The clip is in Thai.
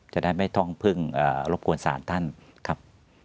จะได้ไม่ต้องพึ่งรบกวนศาลท่านครับ